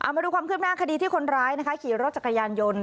มาดูความคืบหน้าคดีที่คนร้ายขี่รถจักรยานยนต์